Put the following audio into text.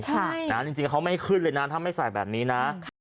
ใช่นะจริงเขาไม่ขึ้นเลยนะถ้าไม่ใส่แบบนี้นะ